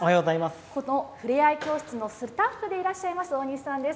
この触れ合い教室のスタッフでいらっしゃいます、大西さんです。